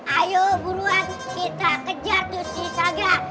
ayo buruan kita kejar tuh si saga